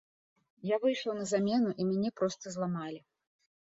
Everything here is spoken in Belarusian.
Я выйшаў на замену, і мяне проста зламалі.